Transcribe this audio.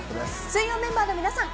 水曜メンバーの皆さん